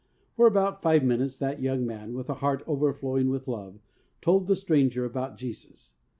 For about five minutes that young man with a heart overflowing with love told the stranger about Jesus.